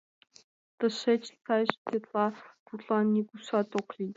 Тышеч сайже тетла тудлан нигуштат ок лий.